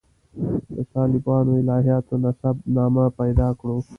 د طالباني الهیاتو نسب نامه پیدا کړو.